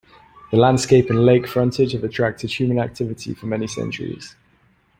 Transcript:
The landscape and lake frontage have attracted human activity for many centuries.